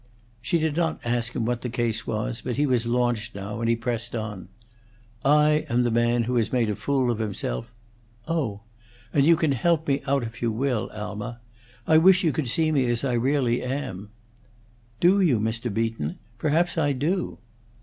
She did not ask him what the case was, but he was launched now, and he pressed on. "I am the man who has made a fool of himself " "Oh!" "And you can help me out if you will. Alma, I wish you could see me as I really am." "Do you, Mr. Beacon? Perhaps I do."